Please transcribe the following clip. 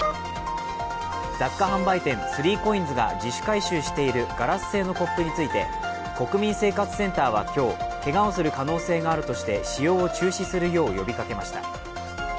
雑貨販売店、３ＣＯＩＮＳが自主回収しているガラス製のコップについて国民生活センターは今日けがをする可能性があるとして使用を中止するよう呼びかけました。